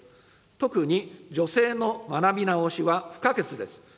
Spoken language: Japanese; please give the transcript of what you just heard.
特に女性の学び直しは不可欠です。